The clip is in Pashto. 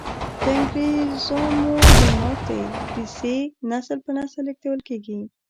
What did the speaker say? د انګریزامو د ماتې کیسې نسل په نسل لیږدول کیږي.